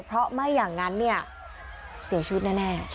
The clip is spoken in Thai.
เพราะไม่อย่างนั้นเนี่ยเสียชีวิตแน่